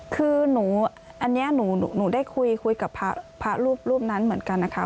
คืออันนี้หนูได้คุยกับพระรูปนั้นเหมือนกันนะคะ